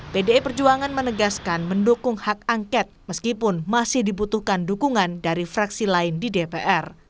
pdi perjuangan menegaskan mendukung hak angket meskipun masih dibutuhkan dukungan dari fraksi lain di dpr